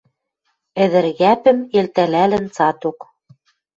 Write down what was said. Ӹдӹр кӓпӹм элтӓлӓлӹн цаток